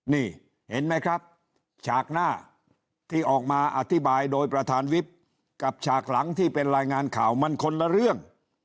นี่เห็นไหมครับฉากหน้าที่ออกมาอธิบายโดยประธานวิบกับฉากหลังที่เป็นรายงานข่าวมันคนละเรื่อง